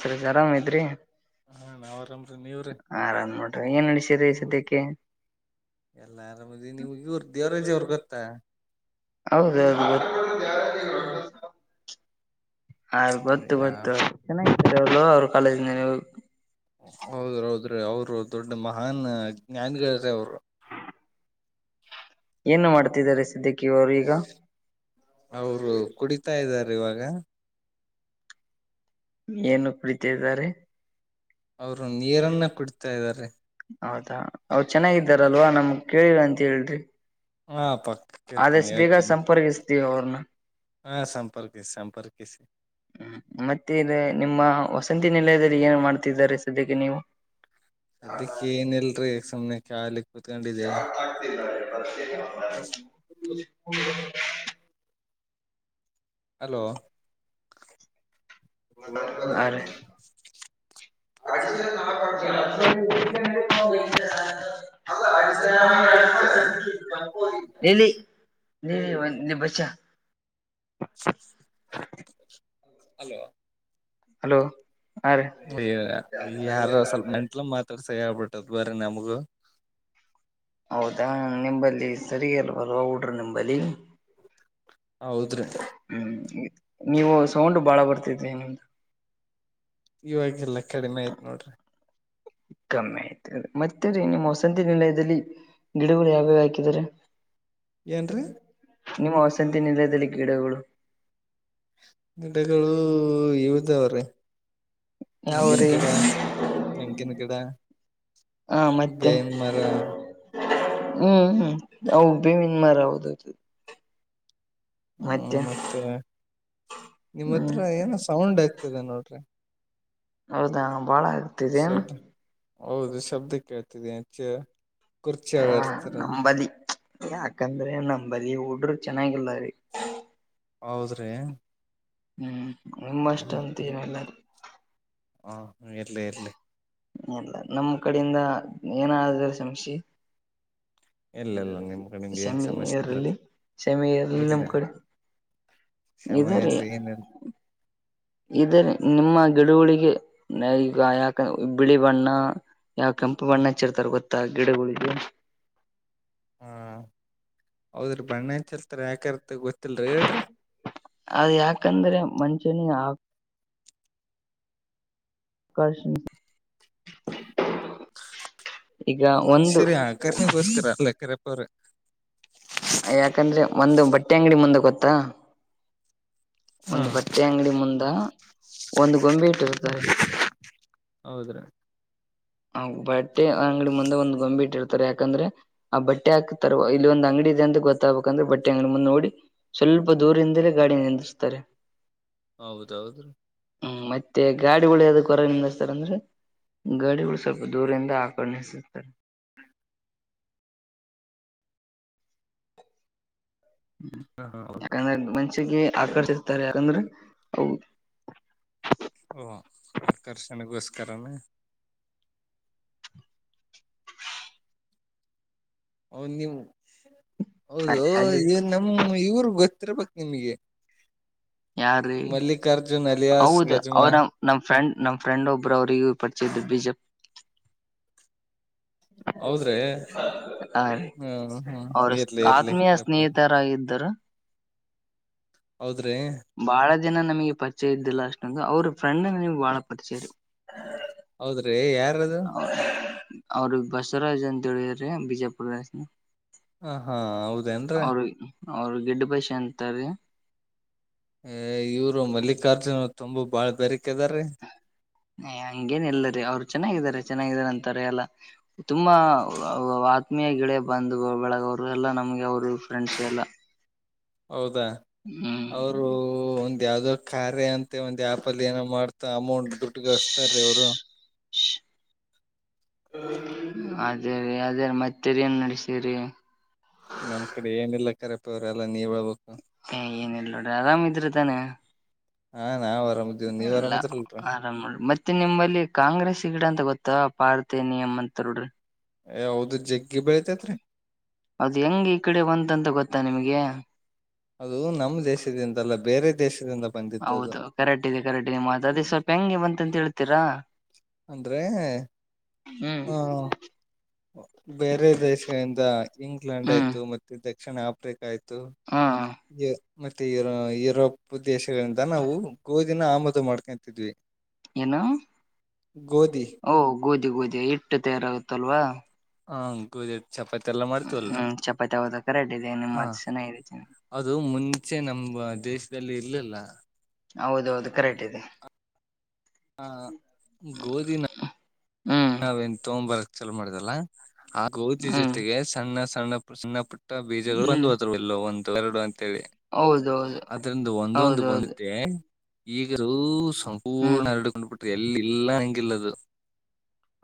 ಸರ ಆರಾಮ್ದ್ರಿ ಹಾ ನಾವ್ ಆರಾಮ್ರೀ ನೀವ್ರೀ ಆರಾಮ್ ನೋಡ್ರಿ ಏನ್ ನಡಸಿದೆ ನಿಮ್ ಸದ್ಯಕ್ಕೆ ಎಲ್ಲಾ ಆರಾಮದಿ ನೀವ್ ಇವ್ರ ದೇವರಾಜೇ ಅವ್ರ ಗೊತ್ತಾ ಹೌದೌದು ಹಾ ಗೊತ್ತು ಗೊತ್ತು ಚೆನ್ನಾಗ ಅವ ಅವ್ರ ಕಾಲೇಜ್ ಹೌದ್ರ ಹೌದ್ರೀ ಅವರು ದೊಡ್ಡ ಮಹಾನ್ ಜ್ಞಾನಿಗಳ್ರೀ ಅವರು ಏನು ಮಾಡ್ತಿದ್ದಾರೆ ಸಿದ್ದಕ್ಕಿ ಅವರು ಈಗ ಅವರು ಕುಡಿತಾ ಇದ್ದಾರೆ ಇವಾಗ ಏನು ಕೂಡಿತ ಇದ್ದಾರೆ ಅವರು ನೀರನ್ನ ಕುಡ್ತಾ ಇದ್ದಾರೆ ಹೌದಾ ಅವರು ಚೆನ್ನಾಗಿದ್ದಾರಲ್ವಾ ನಮ್ ಕೇಳರ ಅಂತ ಹೇಳ್ರಿ ಹಾ ಪ್ಪ ಆದಷ್ಟ ಬೇಗ ಸಂಪರ್ಕಿಸ್ತೀವಿ ಅವ್ರನ್ನ ಹಾ ಸಂಪರ್ಕಿಸಿ ಸಂಪರ್ಕಿಸಿ ಹ್ಮ ಮತ್ತೆ ನಿಮ್ಮ ವಸಂತ ಹ ನಿಲಯದಲ್ಲಿ ಏನು ಮಾಡ್ತಿದ್ದಾರೆ ಸದ್ಯಕ್ಕೆ ನೀವು ಅದಕ್ಕೆ ಏನ ಇಲ್ರರಿ ಸುಮ್ನೆ ಕಾಲಿಕ್ಕೆ [unintelligible] ಹಲೋ ಅರೆ ಅಡಿಸರ ನಾಕ ಎಲ್ಲಿ ನೀ ಬಚ್ಚಾ [inaudible] ಅಲ್ಲೋ ಹಲೋ ಹಾ ರೀ ಹಯ್ಯ ಯಾರ ಸ್ವಲ್ಪ ನೆಂಟ್ಲ ಮಾತಾಡ್ ಯಪಟ್ಟದು ಬರೆ ನಮಗೆ ಹೌದಾ ನಿಂಬಲ್ಲಿ ಸರಿಗಲ್ವಲ್ ಡ್ರ ನಿಂಬಲ್ಲಿ ಹೌದ್ರಿ ಹ್ಮ್ ನೀವು ಸೌಂಡ್ ಬಾಳ ಬರ್ತಿದರಿ ನಂತ ಇವಾಗೆಲ್ಲ ಕಡಿಮೆ ಆಯ್ತ್ ನೋಡ್ರಿ ಕಮ್ಮಿ ಆಯ್ತ ಮತ್ತೆ ನಿಮ್ಮ ವಸಂತಿ ನಿಲಯದಲ್ಲಿ ಗಿಡಗಳು ಯಾವ್ಯಾವ ಹಾಕಿದಿದ್ದಾರೆ ಏನ್ ನಿಮ್ಮ ವಸಂತಿ ನಿಲಯದಲ್ಲಿ ಗಿಡಗಳು ಗಿಡಗಳು ಇದವ್ರೆ ತೆಂಗಿನ ಯಾವ್ರೀ ಕಡ ತೆಂಗಿನ ಕಿಡ ಹಾ ಮತ್ತೆ ಹ್ಮ್ ಹ್ಮ ಹಬ ಮನ್ ಮರದು ಹ್ಮ ಮತ್ತೆ ನಿಮ್ಮ ಹತ್ರ ಹ್ಮ್ ಏನ ಸೌಂಡ್ ಆಗ್ತದೆ ನೋಡ್ರಿ ಹೌದಾ ಬಾಳ ಆಗ್ತಿದೆೇನ್ ಶಬ್ದ ಹೌದು ಶಬ್ದಕ್ಕೆ ಕೇಳ್ತಿದೆ ಹೆಚ್ಚ ಹಾ ನಂಬತಿ ಯಾಕಂದ್ರೆ ನಮ್ ಬದಿ ಹುಡ್ರ ಚೆನ್ನಾಗಿಲ್ಲರಿ ಹೌದ್ರಿ ಹ್ಮ್ ನಿಮ್ಮಷ್ಟ ಅಂತ ಏನೆಲ್ಲಾರ ಹಾ ಇಲ್ಲೇ ಇಲ್ಲೇ ಇಲ್ಲ ನಮ್ಮ್ ಕಡೆಯಿಂದ ಏನಾದ್ರ ಶಮಶಿ ಇಲ್ಲ ಇಲ್ಲ ನಿಮ್ಗ ನಿಮ್ಗೆ ಏನ್ ಸಮಸ್ಯೆ ಇಲ್ಲ ಇರ್ಲಿ ಸಮಿ ಇರ್ಲಿ ಇಲ್ಲ ನಮ್ ಕಡೆ ಸಮಯಲಿಹ ಇದ ನಿಮ್ಮ ಗಿಡುವಳಿಗೆ ಈಗ ಯಾಕಂದ ಬಿಳಿ ಬಣ್ಣ ಯಾವ್ ಕೆಂಪು ಬಣ್ಣ ಹಚ್ಚಿರ್ತಾರ ಗೊತ್ತಾ ಗಿಡಗಳಿಗೆ ಹಾ ಹೌದ್ರ ಬಣ್ಣಾ ಚಲ್ತ ಯಾಕರ್ತ ಗೊತ್ತ ಅದ ಯಾಕಂದ್ರೆ ಮನ್ಷ್ಯನಿಗೆ ಆ ಕಷ್ಣ [inaudible] [inaudible] ಒಂದು ಮನುಷ್ಯರಿ ಆ ಕನಗೋಸ್ಕರ ಅಲ್ಲ ಕರೆಪ್ಪ ಅವರ ಯಾಕಂದ್ರೆ ಒಂದು ಬಟ್ಟೆ ಅಂಗಡಿ ಮುಂದೆ ಗೊತ್ತಾ ಹಾ ಒಂದು ಬಟ್ಟೆ ಅಂಗಡಿ ಮುಂದ ಒಂದ್ ಗೊಂಬೆ ಇಟ್ಟಿರ್ತಾರೆ ಹೌದ್ರೀ ಆ ಬಟ್ಟೆ ಅಂಗಡಿ ಮುಂದೆ ಒಂದು ಗೊಂಬಿ ಇಟ್ಟಿಡ್ತಾರೆ ಯಾಕಂದ್ರೆ ಆ ಬಟ್ಟೆ ಹಾಕ್ತಾರ ಇಲ್ಲಿ ಒಂದ್ ಅಂಗಡಿ ದೆ ಅಂತ ಗೊತ್ತಾಗಬೇಕಂದ್ರೆ ಬಟ್ಟೆ ಅಂಗಡಡಿ ಮುಂದೆ ನೋಡಿ ಸ್ವಲ್ಪ ದೂರದಿಂದಲೇ ಗಾಡ ನಿಂದಿಸ್ತಾರೆ ಹೌದೌದು ರೀ ಹ್ಮ್ ಮತ್ತೆ ಗಾಡಿಗಳು ಯಾವ್ದ ಕೊ ಹೊರ ನಿಿಂದ್ತಾರ ಅಂದ್ರೆ ಗಾಡಿಗಳು ಸ್ವಲ್ಪ ದೂರಿಿಂದ ಆಕರ್ಣಿಸುತ್ತಾರೆ [inaudible] ಹಾ ಹಾ ಹೌದು ್ಮಕ ಚ ಆಕರ್ಷಿಸತಾರೆ ಯಾಕಂದ್ರೆ ಅ ಓ ಆಕರ್ಷಣೆಗೋಸ್ಕರನ ಹ ನೀವು ಹೌದು ಅದು ನಮ ಇವ್ರ ಗೊತ್ತ ಬ ನಿಮಗೆ ಯಾರ ಅಲಿಯಾಸ್ ಹೌದು ಗಜ್ಮಾ ಅವ್ರ ನಮ್ ಫ್ರೆಂಡ್ ನಮ್ ಫ್ರೆಂಡ್ ಒಬ್ಬರು ಅವ್ರಿಗ ಪರಿಚರು ಬಿಜ ಹ್ಮ ಹೌದ್ರೆ ಬಿಜೆಪಿ ಹ್ಮ ಹ್ಮ ಅವ್ರ ಇರ್ಲಿ ಇರ್ಲಿ ಆತ್ಮೀಯ ಕರೆಪ್ಪ [inaudible] ಬಾಳ ಜಿನ ನಮಗೆ ಪರಿಚಯ ಇದ್ದಿಲ್ಲ ಅಷ್ಟೊಂದು ಅವ್ರ ಫ್ರೆಂಡ್ ನಮಗ್ ಬಾಳ ಪರಿಚಯ ರೀ [inaudible] ಹೌದ್ರೀ ಯಾರದು ಅವ್ರಿಗೆ ಬಸವರಾಜ್ ಅಂತ ಹೇಳಿದ್ರ ಬಿಜಾಪುರನ ಹ ಹಾ ಹೌದ ಅನ್್ರ ಅವ್ರ ಗಿಡ್ಡ ಪಸೆ ಅಂತ ರೀ ಅ ಇವರು ಮಲ್ಲಿಕಾರ್ಜುನ್ ತುಂಬಾ ಬಾಳ್ ಬೇರಕ್ದ್ರೀ ಹ ಹಂಗೇನ್ ಇಲ್ಲರಿ ಅವ್ರು ಚೆನ್ನಾಗಿದ್ದಾರೆ ಚೆನ್ನಾಗಾರ ಅಂತಾರೆ ಎಲ್ಲ ತುಂಬಾ ಮಿಯ ಗಿಳಿಯ ಬಂದ್ ಬೆಳಗವ್ರು ಎಲ್ಲಾ ನಮ್ಗೆ ಅವರು ಫ್ರೆಂಡ್ಸ್ ಎಲ್ಲ ಹೌದಾ ಹ್ಮ್ ಅವರು ಒಂದ ಯಾವ್ದೋ ಕಾರ್ಯ ಅಂತ ಒಂದು ಆ್ಯಪಲ್ಲಿ ಏನೋ ಮಾಡ್ ಮ ಅಮೌಂಟ್ ದುಡ್ಡುಗಸ್ತಾರ ರೀ ಅವ್ರು ಅದೇ ರೀ ಅದೇ ಮತ್ತೆರಿ ಏನ್ ನಡೆಸೀರಿ ನಮ ಕಡೆ ಏನಿಲ್ಲ ಕರಪವ್ರ ಎಲ್ಲಾ ನೀವ್ ಹೇಳ್ಬೇಕು ಹ ಏನಿಲ್ಲ ನೋಡ್ರಿ ಆರಾಮಿದ್ದೀರಾ ತಾನೆ ಹಾ ನಾವ್ ಆರಾಮದೀವ್ ನೀವ್ ಎಲ್ಲ ಆರಾಮದಿರಲ್ರರಿ ಆರಾಮ್ ಮಾಡಿ ಮತ್ತೆ ನಿಮ್ಮಲ್ಲಿ ಕಾಂಗ್ರೆಸ್ ಗಿಡ ಅಂತ ಗೊತ್ತ ತ ಪಾರ್ತೇನಿಯಂ ಅಂತ ನೋಡ್ರಿ ಎ ಹೌದು ಬೆಳಿತೇತ್ರಿ ಅದ್ ಹೆಂಗ್ ಈ ಕಡೆ ಬಂತ್ ಗೊತ್ತಾ ನಿಮ್ಗೆ ಅದು ನಮ್ಮ್ ದೇಶದಿಂದಲ್ಲ ಬೇರೆ ದೇಶ ಹೌದು ಕರೆಕ್ಟ್ ಇದೆ ಕರೆಕ್ಟ್ ಇದೆ ನಿಮ್ಮ ಮಾತ ಅದೇ ಸ್ವಲ್ಪ ಹೆಂಗೆ ಬಂತಂತ ಹೇಳ್ತೀರಾ ಅಂದ್ರೆ ಹ್ಮ್ ಆ ಬೇರೆ ದೇಶಗಳಿಂದ ಇಂಗ್ಲೆಂಡ್ ಹ್ಮ್ ಆಯ್ತು ಮತ್ತೆ ದಕ್ಷಿಣ ಆಫ್ರಿಕಾ ಆಯ್ತು ಹಾ ಮತ್ತೆ ಯುರೋ ಯರೋಪ್ ದೇಶಗಳಿಂದ ನಾವು ಗೋಧಿನ ಆಮದು ಮಾಡ್ಕೊತಿದ್ವಿ ಏನು ಓ ಗೋಧಿ ಗೋಧಿ ಇಟ್ಟು ತಯಾರಾಗುತ್ತ ಅಲ್ವಾ ಹ ಗೂದಿದ್ ಹ್ಮ್ ಚಪಾತಪದ ಕಿದ್ದ ಹ ಮತ್ಸತಿ ಅದು ಮುಂಚೆ ನಮ ದೇಶದಲ್ಲಿ ಇರ್ಲಿಲ್ಲ ಹೌದ ಹೌದು ಕರೆಕ್ಟ್ ಇದೆ ಹಾ ಗೋಧಿನ ಹ್ಮ್ ನಾವೇನ್ ತೊಗಂಬರಕ್ ಚಲೋ ಮಾಡುದಲ್ಲ ಆ ಗೋದಿ ಹ್ಮ್ ಜೊತೆಗೆ ಸಣ್ಣ ಸಣ್ಣ ಸಣ್ಣ ಪುಟ್ಟ ಬೀಜಗಳು ಹ್ಮ್ ಒಂದು ಹದೂ ಇಲ್ಲ ಒ ಎರಡು ಹೌದೌದು ಅದ್ರಂದ ಒಂದೊಂದು ಹೌದೌದು ಬಂದೆ ಈಗರ ಹ್ಮ್ ಸಂಪೂರ್ಣ ಎರಡು ಕೊಂಡ್ ಬಿಟ್ಟಿ ಎಲ್ಲಿ ಇಲ್ಲ ಹೆಂಗಿಲ್ಲದು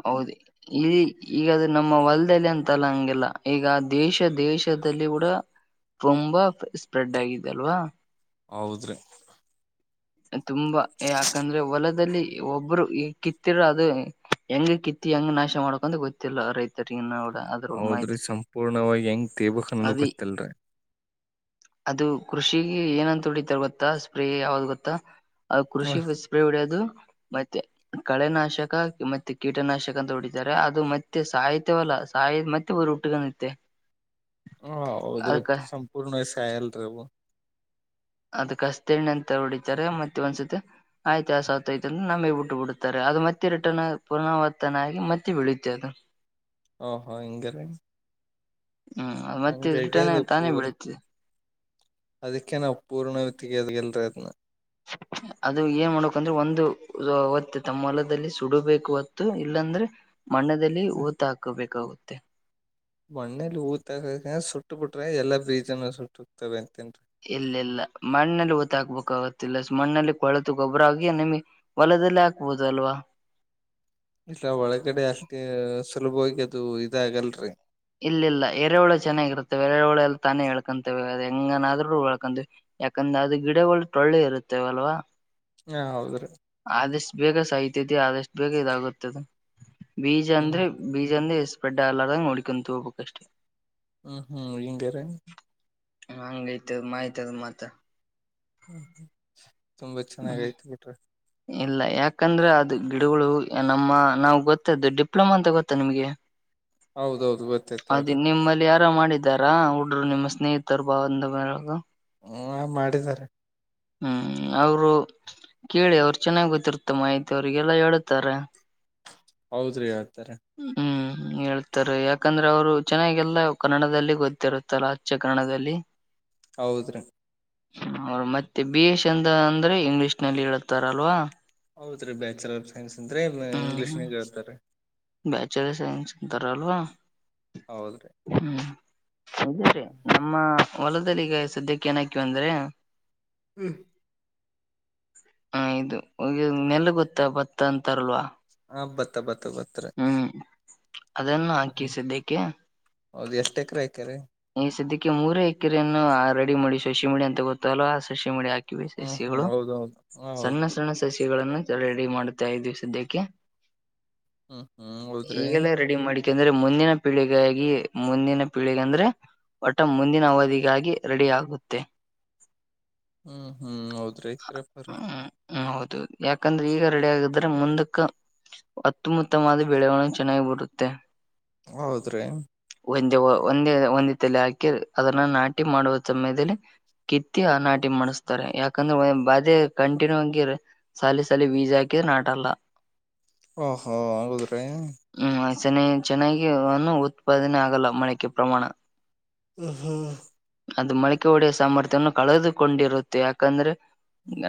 ಹೌದು ಇಲ್ಲಿ ಈಗಾದ ನಮ್ಮ ವಲ್ದಲ್ಲಿ ಅಂತಲ್ಲ ಹಂಗಗೆಲ್ಲ ಈಗ ದೇಶ ದೇಶದ ಕೂಡ ತುಂಬಾ ಸ್ಪ್ರೆಡ್ ಆಗಿದ ಅಲ್ವಾ ಹೌದ್ರಿ ತುಂಬಾ ಯಾಕಂದ್ರೆ ಹೊಲದಲ್ಲಿ ಒಬ್ರು ಈ ಕಿತ್ತಿರ ಅದು ಹೆಂಗ ಕಿತ್ತಿ ಹೆಂಗ್ ನಾಶ ಮಾಡ್ಕಂದ ಗೊತ್ತಿಲ್ಲ ರೈತರಿಗ ನ ಹೌದ್ರಿ ಸಂಪೂರ್ಣವಾಗಿ ಹೆಂಗ್ ತೇಬಕ್ ಅನ್ನೋದು ಅದಿ ಗೊತ್ತಲ್ರರಿ ಅದು ಕೃಷಿಗೆ ಏನಂತ ಒಡಿತಾರೆ ಗೊತ್ತಾ ಸ್ಪ್ರೇ ಯಾವದು ಗೊತ್ತಾ ಆ ಹ ಕೃಷಿಗೆ ಸ್ಪ್ರೇ ಹೊಡೆಯದು ಮತ್ತೆ ಕಳೆನಾಶಕ ಮತ್ತೆ ಕೀಟನಾಶಕ ಅಂತ ಹೊಡಿತಾರೆ ಅದು ಮತ್ತೆ ಸಹಿತ್ಯವಲ್ಲ ಸ ಮತ್ತೆ ಬೂರ ಊಟ್ಟಿಗೆ ನಿತ್ತೆ ಹ ಹೌದ್ರಿ ಸಂಪೂರ್ಣ ವಯಸ ಆಲ್ರಿ ಅವು ಅದ ಕಸ್ತೆ ಎಣ್ಣ ಅಂತ ಹೊಡಿತಾರೆ ಮತ್ತೆ ಒಂದ್ಸತಿ ಆಯ್ತು ಆಸ ಆ್ತಯತ ಅಂದ್ರ ನಮಗ್ ಬಿಟ್ಟು ಬಿಡುತ್ತಾರೆ ಅದು ಮತ್ತೆ ರಿಟರ್ನ್ ಪುನರವರ್ತನೆ ಆಗಿ ಮತ್ತೆ ಬೀಳುತ್ತೆ ಅದು ಹ ಹಾ ಇಂಗ ರ ಹ್ಮ್ದು ಮತ್ತೆ ರಿಟನ್ ತಾನೇ ಪೂರ್ ಬೀಡುತ್ತೆ ಅದಕ್ಕೆ ನಾವ್ ಪೂರ್ಣ ತೆಗಿಯೋದ ಇಲ್ರಿ ಅದನ್ನ ಅದು ಏನ್ ಮಾಡ್ಬೇಕಂದ್ರೆ ಒಂದು ಹೊತ್ತೆ ತಮ್ಮ ಹೊಲದಲ್ಲಿ ಸುಡುಬೇಕು ಹೊತ್ತು ಇಲ್ಲಾಂದ್ರೆ ಮಣ್ಣದಲ್ಲಿ ಊತ ಹಾಕಬೇಕಾಗುತ್ತೆ ಮಣ್ಣೇಲಿ ಊತ ಆಗಕ ಸುಟ್ಟ ಬಿಟ್ರೆ ಎಲ್ಲಾ ಬೀಜನು ಸುಟ್ಟ ಹೋಗಕ್ತವೆ ಅಂತ ಇಲ್ಲ ಇಲ್ಲ ಮಣ್ಣಲ್ಲಿ ಹುತಕ್ಕಬೇಕುಕಾಗತ್ತಿಲ್ಲ ಮಣ್ಣಲ್ಲಿ ಕೊಳೆತ ಗೊಬ್ಬರ ಆಗಿ ನಿಮಗೆ ಹೊಲ ಹೊಲದಲ್ಲೇ ಹಾಕ್ಬೋದು ಅಲ್ವಾ ಇಲ್ಲ ಒಳಗಡೆ ಅಷ್ಟೇ ಸುಲಭವಾಗಿ ಅದು ಇದಾಗಲ್ರಿ ಇಲ್ಲ ಇಲ್ಲ ಎರೆಹುಳ ಚೆನ್ನಾಗಿರುತ್ತವೆ ಎರೆಹುಳ ತಾನೇ ಎಲ್ಕತವೇ ಅ ಹೆಂಗನಾದ್ರರು ಹೊಳ್ಕಂಡಿ ಯಾಕಂದ್ರ ಅದು ಗಿಡಗಳು ಟೋಳ್ಳೆ ಇರುತ್ತೇವ ಅಲ್ವಾ ಹಾ ಹೌದ್ರೀ ಆದಷ್ಟು ಬೇಗ ಸಾಯುತ್ತದೆ ಆದಷ್ಟು ಬೇಗ ಇದಾಗುತ್ತದೆ ಬೀಜ ಹ್ಮ್ ಅಂದ್ರೆ ಬೀಜ ಅಂದ್ರೆ ಸ್ಪ್ರೆಡ್ ಆಗಳಾದ ಹಾಗೆ ನೋಡಿಕೊಂತ ಹೋಗ್ಬೇಕ ಅಷ್ಟೇ ಹ್ಮ್ ಹ್ಮ್ಮ್ ಹಿಂಗೇರಿ ಹಂಗೈತದ ಮಾಯ್ತದ ಮತ ಹ್ಮ್ ತುಂಬಾ ಹ್ಮ್ ಚೆನ್ನಾಗಯ್ತು ಬಿಡ್ರಿ ಇಲ್ಲ ಯಾಕಂದ್ರೆ ಅದು ಗಿಡಗಳು ನಮ್ಮ ನಾವು ಗೊತ್ತ್ದು ಡಿಪ್ಲೊಮಾ ಅಂತ ಗೊತ್ತಾ ನಿಮ್ಗೆ ಹೌದೌದು ಗೊತ್ತೈತ ಅದು ಹೇಳ್ರಿ ನಿಮ್ಮಲ್ಲಿ ಯಾರ ಮಾಡಿದಾರಾ ಹುಡ್ರು ನಿಮ್ಮ ಸ್ನೇಹಿತರು ಬಂದು ಬಳಗ ಹ ಮಾಡಿದ್ದಾರೆ ಹ್ಮ್ ಅವರು ಕೇಳಿ ಅವರು ಚೆನ್ನಾಗ್ ಗೊತ್ತಿರ್ತ್ತ ಮಾಹಿತಿ ಅವ್ರಿಗೆಲ್ಲ ಹೇಳುತ್ತಾರೆ ಹೌದ್ರಿ ಹೇಳ್ತಾರೆ ಹ್ಮ್ ಹೇಳ್ತಾರೆ ಯಾಕಂದ್ರೆ ಅವ್ರು ಚೆನ್ನಾಗೆಲ್ಲ ಕನ್ನಡದಲ್ಲಿ ಗೊತ್ತಿರುತ್ತಲ್ಲ ಆಚ್ಚೆ ಕನ್ನಡದಲ್ಲಿ ಹೌದ್ರೀ ಅವ್ರ ಮತ್ತೆ ಬಿ ಇ ಸೈನ್ಸ್ ಅಂತ ಅಂದ್ರೆ ಇಂಗ್ಲಿಷ್ ನಲ್ಲಿ ಹೇಳತಾರಲ್ವಾ ಹೌದ್ರೀ ಬ್ಯಾಚಲರ್ ಆಫ್ ಸೈನ್ಸ್ ಅಂದ್ರೆ ಹ್ಮ್ ಇಂಗ್ಲಿಷ್ನ ಹೇಳ್ತಾರೆ ದಾರ ಅಲ್ವಾ ಹೌದ್ರೀ ಇದೇ ನಮ್ಮ ಹೊಲದಲ್ಲಿ ಈಗ ಸದ್ಯಕ್ಕೆ ಏನಾಕಿದೀವಿ ಅಂದ್ರೆ ಹ ಇದು ಈ ನೆಲ ಗೊತ್ತ ಭತ್ತ ಅಂತಾರಲ್ವಾ ಹ ಭತ್ತ ಭತ್ತ ಭತ್ತ ಗೊತ್ತುರಿ ಹ್ಮ್ ಅದನ್ನು ಹಾಕಿ ಸದ್ಯಕ್ಕೆ ಹೌದು ಎಷ್ಟ್ ಎಕರೆ ಹಾಕ್ಯಾರೀ ಈ ಸದ್ಯಕ್ಕೆ ಮೂರೇ ಎಕರೆಯನ್ನು ರೆಡಿ ಮಾಡಿ ಸಸಿಮೀಡಿ ಅಂತ ಅಂತವು ಬರತಾವಲ್ಲ ಆ ಸಸಿಮಾಡಿ ಹಾಕ ಹಾಕಿವಿ ಹ್ಮ್ ಹ್ಮ್ ಸಸ್ಯಗಳು ಹೌದೌದು ಹ ಸಣ್ಣ ಹೌದ್ರಿ ಸಣ್ಣ ಸಸ್ಯಗಳನ್ನ ರೆಡಿ ಮಾಡುತಾಯಿದ್ವಿ ಸದ್ಯಕೆ ಹ್ಮ್ ಹ್ಮ್ ಹೋದದ್ರೀ ಯಾಕೆಂದ್ರೆ ಮುಂದಿನ ಪೀಳಿಗಾಗಿ ಮುಂದಿನ ಪೀಳಗ ಅಂದ್ರೆ ವಟ ಮುಂದಿನ ಅವಧಿಗಾಗಿ ರೆಡಿಯಗುತ್ತೆ ಹ್ಮ್ ಹ್ಮ್ ಹೌದ್ರಿ ಹ್ಮ್ ಹ್ಮ್ ಹೌದು ಯಾಕಂದ್ರೆ ಈಗ ರೆಡಿ ಆಗಿದ್ರೆ ಮುಂದಕ್ಕ ಅತ್ತಮುತ್ತಮವಾದ ಬೆಳೆವಾಣಿಗೇ ಚೆನ್ನಾಗಿ ಬರುತ್ತೆ ಹೌದ್ರೀ ಒಂದೇ ಒಂದ ತಲೆ ಹಾಕಿ ಅದನ್ನ ನಾಟಿ ಮಾಡುವ ಸಮಯದಲ್ಲಿ ಕಿತ್ತಿ ಆ ನಾಟಿ ಮಾಡಿಸಸ್ತಾರೆ ಯಾಕಂದ್ರೆ ಬಾಧೆ ಕಂಟಿನ್ಯೂ ಆಗಿ ಸಾಲ ಸಾಲ ಬೀಜ ಹಾಕಿ ನಾಟಲ್ಲ ಓಹೋ ಓಹೋ ಹೌದ್ರಿ ಹ್ಮ್ ಚೆನ್ನ ಚೆನ್ನಾಗಿನು ಉತ್ಪಾದನೆ ಆಗಲ್ಲ ಮಳಕೆ ಪ್ರಮಾಣ ಹ ಹ್ಮ ಅದು ಮಳಿಕೆ ಹೊಡೆಯ ಸಾಮರ್ಥ್ಯವನ್ನು ಕಳೆದುಕೊಂಡಿರುತ್ತೆ ಯಾಕಂದ್ರೆ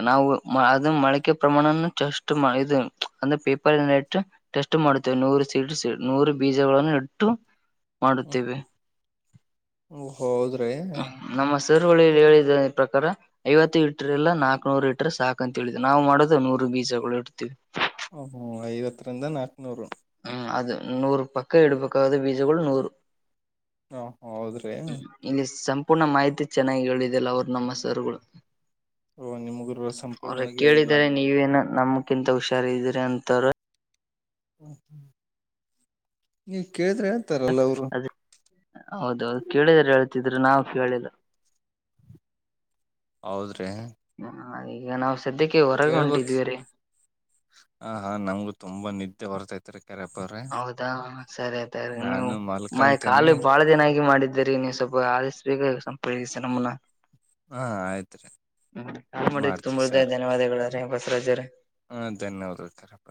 ನಾವು ಅದು ಮಳಕೆ ಪ್ರಮಾಣ ಚೆಸ್ಟ್ ಇದು ಅಂದ್ರ ಪೇಪರ್ ಟೆಸ್ಟ್ ಮಾಡುತ್ತವೆ ನೂರು ನೂರು ಬೀಜಗಳನ್ನು ಇಟ್ಟು ಹ್ಮ ಮಾಡುತ್ತೇವೆ ಹೌದ್ರಿ ನಮ್ಮ ಸರ್ ಹಹೇಳಿದೆ ಈ ಪ್ರಕಾರ ಐವತ್ತು ಲೀಟ್ರ ಎಲ್ಲಾ ನಾಕಕ್ ನೂರು ಲೀಟರ್ ಸಾಕಕ್ ಅಂತ ಹೇಳಿದವಿ ನಾವು ಮಾಡೋದ ನೂರು ಬೀಜಗಳು ಇರ್ತೀವಿ ಹ ಹ್ಮ ಐವತ್ತರಿಂದ ನಾಕ್ನೂರು ಹ್ಮ್ ಅದು ನೂರು ಪಕ್ಕ ಇಡ್ಬೇಕು ಅದು ಬೀಜಗಳು ನೂರು. ಹಾ ಹೌದ್ರಿ ಪೂರ್ಣ ಮಾಹಿತಿ ಚೆನ್ನಾಗಿ ಹೇಳಿದೆಲ್ಲ ಅವ್ರು ನಮ್ಮ ಸರ್ಗಳು. ಓಹ್ ನಿಮ ಗುರುಗ ಸಂಪೂರ್ಣವಾಗಿ ಹೇಳಲ್ವಾ. ನಮಕಿಂತ ಹುಷಾರ ಇದಿರಿ ಅಂತರ್ ಹ ಹ್ಮ್ ನೀ ಕೇಳಿದ್ರೆ ಹೇಳ್ತಾರಲ್ಲ ಅವ್ರು. ಅದ ಹೌದೌದು ಕೇಳಿದ್ರೆ ಹೇಳ್ತಿದ್ರು ನಾವು ಕೇಳಿಲ್ಲ. ಹೌದ್ರಿ ಹ ಈಗ ನಾವ್ ಸ್ ಕೇಳ್ಬೇಕ್ ಹ ಹಾ ನಂಗು ತುಂಬಾ ನಿದ್ದೆ ಬರ್ತೈತ್ರಿ. ಕರಪ್ಪ ಅವ್ರೆ ಹೌದಾ ಸರಿ ಆಯ್ತರಿ ನೀವು ನಾನು ಮ ಮಲ್ಕಂತೀನಿ ಕಾಲು ಬಾಳ ದಿನ ಆಗಿ ಮಾಡಿದ್ದೀರಿ ನೀವು ಸ್ವಲ್ಪ ಸ್ ಬೇಗ ಸಂಪರ್ಕಿಸಿ ನಮ್ಮನ್ನ. ಹಾ ಆಯ್ತ್ರಿ ಹ್ಮ್ ಕಾಲ್ ಮಾಡಿದ್ಕೆ ಮಾಡ್ತೀವಿ ತುಂಬ ದೇ ಸರ್ ಧನ್ಯವಾದಗಳು ರೀ ಬಸರಾಜ್ ಅವ್ರೆ. ಹ ಧನ್ಯವಾದಗಳು ಕರಪ್ಪ